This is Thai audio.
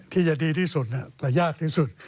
ที่จะดีที่สุดก็ยากที่สุด